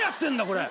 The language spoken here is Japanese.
これ。